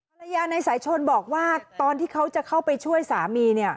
ภรรยาในสายชนบอกว่าตอนที่เขาจะเข้าไปช่วยสามีเนี่ย